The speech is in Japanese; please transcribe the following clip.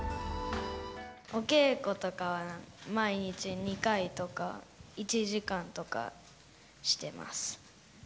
お稽古とかは、毎日２回とか、１時間とか、してます。